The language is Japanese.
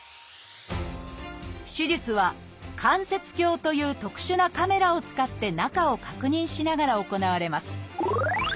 手術は「関節鏡」という特殊なカメラを使って中を確認しながら行われます。